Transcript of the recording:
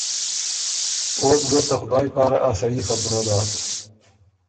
او بو ګه ته خدایٛ پاره ا سهي خبُره داک